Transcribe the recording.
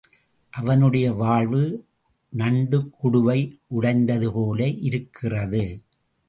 அவனுடைய வாழ்வு நண்டுக்குடுவை உடைந்ததுபோல இருக்கிறது.